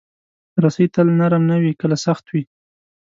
رسۍ تل نرم نه وي، کله سخت وي.